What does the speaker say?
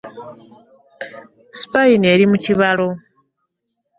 Sipayini eri mu kibalo.